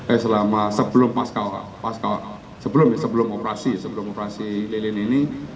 eh sebelum pascawa sebelum operasi sebelum operasi lilin ini